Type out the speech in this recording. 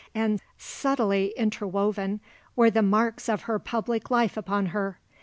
And, subtly interwoven, were the marks of her public life upon her.